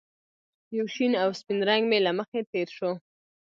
یو شین او سپین رنګ مې له مخې تېر شو